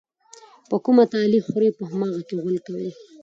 په کومه تالې خوري، په هماغه کې غول کوي.